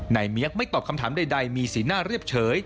เมียกไม่ตอบคำถามใดมีสีหน้าเรียบเฉย